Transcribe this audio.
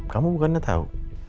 kamu bukannya tahu